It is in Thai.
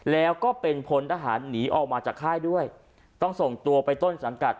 แล้วก็เป็นพลทหารหนีออกมาจากค่ายด้วยต้องส่งตัวไปต้นสังกัด